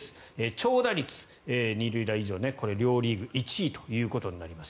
長打率、２塁打以上これは両リーグ１位となります。